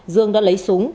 dương đã lấy súng